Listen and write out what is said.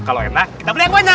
kalau enak kita beli yang banyak